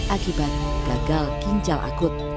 akibat gagal ginjal akut